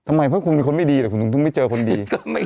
เลยทำไมเพราะคุณเป็นคนไม่ดีเหรอคุณต้องไม่เจอคนดีก็ไม่